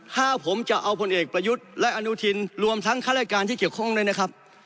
ถ้าผมจะเอาผลเอกประยุทธ์และอนุทินรวมทั้งข้ารายการที่เกี่ยวข้องด้วยนะครับ